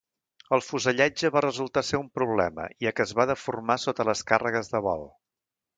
El fusellatge va resultar ser un problema, ja que es va deformar sota les càrregues de vol.